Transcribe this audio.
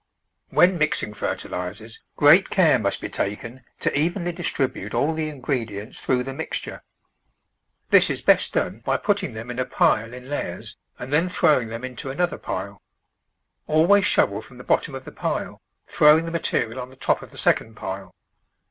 When mixing fertilisers great care must be taken to evenly distribute all the ingredients THE VEGETABLE GERDEN through the mixture. This is hest done by putting them in a pile in layers and then throwing them into another pile. Always shovel from the bot tom of the pile, throwing the material on the top of the second pile.